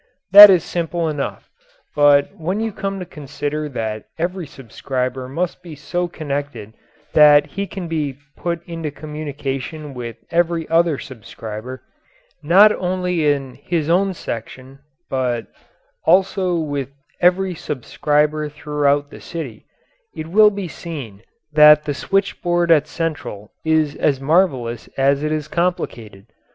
That is simple enough; but when you come to consider that every subscriber must be so connected that he can be put into communication with every other subscriber, not only in his own section but also with every subscriber throughout the city, it will be seen that the switchboard at central is as marvellous as it is complicated.